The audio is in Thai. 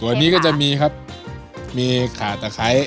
วันนี้ก็จะมีครับมีขาตะไคร้